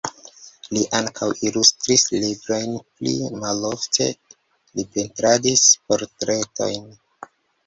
Li ankaŭ ilustris librojn, pli malofte li pentradis portretojn.